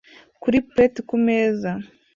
kuri plat ku meza